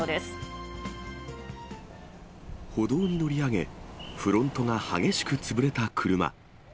歩道に乗り上げ、フロントが激しく潰れた車。